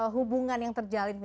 hubungan yang terjalin